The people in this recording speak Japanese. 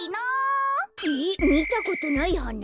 えっみたことないはな？